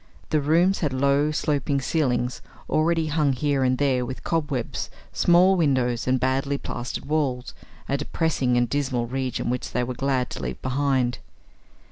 The rooms had low sloping ceilings already hung here and there with cobwebs, small windows, and badly plastered walls a depressing and dismal region which they were glad to leave behind.